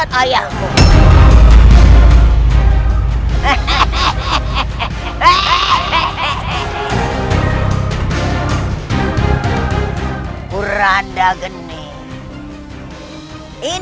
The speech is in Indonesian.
diam rangka buatan